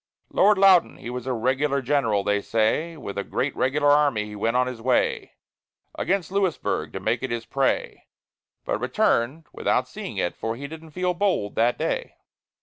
Lord Loudon, he was a regular general, they say; With a great regular army he went on his way, Against Louisburg, to make it his prey, But returned without seeing it, for he didn't feel bold that day.